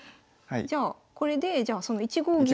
じゃあこれでじゃあその１五銀を。